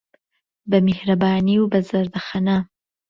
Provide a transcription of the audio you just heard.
به میهرهبانی و به زهردهخهنه